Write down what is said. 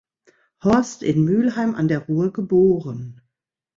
Horst in Mülheim an der Ruhr geboren.